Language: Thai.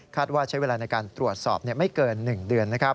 ว่าใช้เวลาในการตรวจสอบไม่เกิน๑เดือน